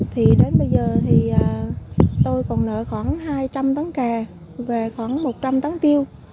thì đến bây giờ thì tôi còn nợ khoảng hai trăm linh tấn cà về khoảng một trăm linh tấn tiêu